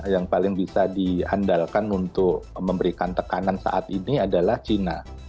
yang paling bisa diandalkan untuk memberikan tekanan saat ini adalah cina